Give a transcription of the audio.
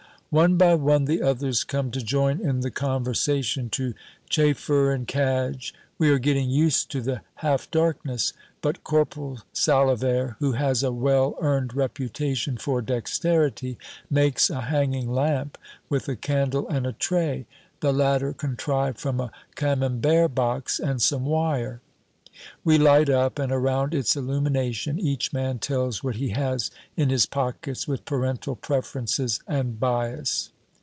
One by one the others come to join in the conversation, to chaffer and cadge. We are getting used to the half darkness. But Corporal Salavert, who has a well earned reputation for dexterity, makes a hanging lamp with a candle and a tray, the latter contrived from a Camembert box and some wire. We light up, and around its illumination each man tells what he has in his pockets, with parental preferences and bias.